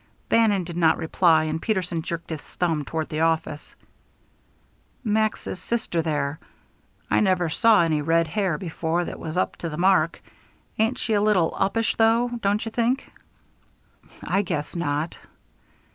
Bannon did not reply, and Peterson jerked his thumb toward the office. "Max's sister, there. I never saw any red hair before that was up to the mark. Ain't she a little uppish, though, don't you think?" "I guess not."